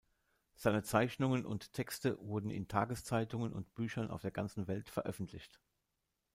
Seine Zeichnungen und Texte wurden in Tageszeitungen und Büchern auf der ganzen Welt veröffentlicht.